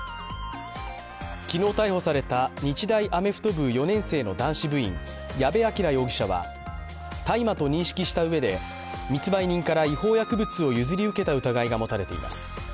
昨日逮捕された日大アメフト部４年生の男子部員、矢部鑑羅容疑者は大麻と認識したうえで、密売人から違法薬物を譲り受けた疑いがもたれています。